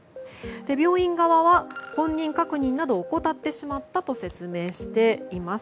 病院側は本人確認などを怠ってしまったと説明しています。